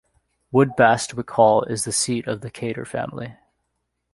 Woodbastwick Hall is the seat of the Cator family.